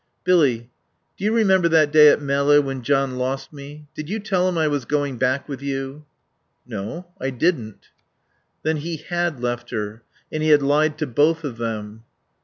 "Billy do you remember that day at Melle, when John lost me? Did you tell him I was going back with you?" "No. I didn't." Then he had left her. And he had lied to both of them.